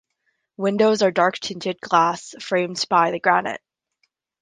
Windows are dark tinted glass framed by the granite.